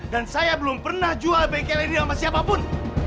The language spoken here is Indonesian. dan saya belum pernah jual bengkel ini sama siapapun